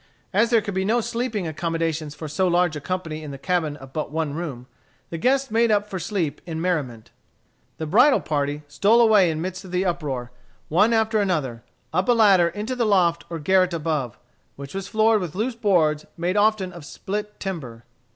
As there could be no sleeping accommodations for so large a company in the cabin of but one room, the guests made up for sleep in merriment. The bridal party stole away in the midst of the uproar, one after another, up a ladder into the loft or garret above, which was floored with loose boards made often of split timber.